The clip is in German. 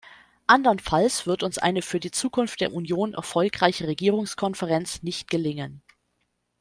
Andernfalls wird uns eine für die Zukunft der Union erfolgreiche Regierungskonferenz nicht gelingen.